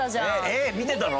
えっ見てたの？